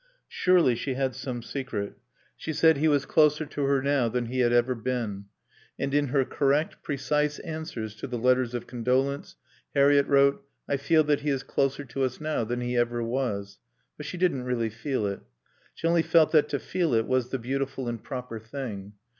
Surely she had some secret. She said he was closer to her now than he had ever been. And in her correct, precise answers to the letters of condolence Harriett wrote: "I feel that he is closer to us now than he ever was." But she didn't really feel it. She only felt that to feel it was the beautiful and proper thing.